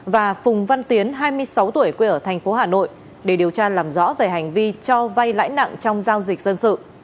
và phùng văn tiến hai mươi sáu tuổi quê ở thành phố hà nội để điều tra làm rõ về hành vi cho vay lãi nặng trong giao dịch dân sự